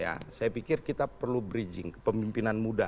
ya saya pikir kita perlu bridging kepemimpinan muda